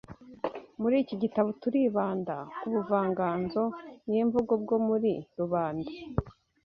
Muri iki gitabo turibanda ku buvanganzo nyemvugo bwo muri rubanda